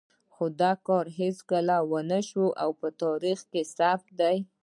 خو دا کار هېڅکله ونه شو او په تاریخ کې ثبت دی.